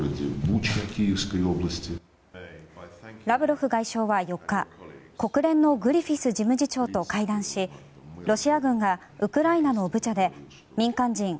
ラブロフ外相は４日国連のグリフィス事務次長と会談しロシア軍がウクライナのブチャで民間人